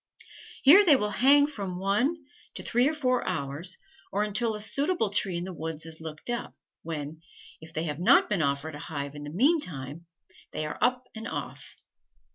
Here they will hang from one to three or four hours, or until a suitable tree in the woods is looked up, when, if they have not been offered a hive in the mean time, they are up and off.